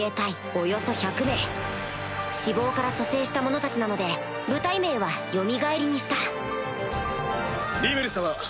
およそ１００名死亡から蘇生した者たちなので部隊名は紫克衆にしたリムル様！